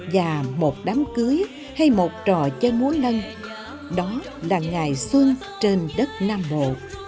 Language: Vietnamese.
và một đám cưới hay một trò chơi múa lân đó là ngày xuân trên đất nam bộ